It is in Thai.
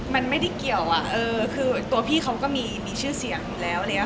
มันไม่ได้เกี่ยวคือตัวพี่เขาก็มีชื่อเสียงอยู่แล้วแล้ว